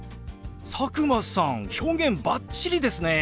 佐久間さん表現バッチリですね。